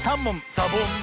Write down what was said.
サボン！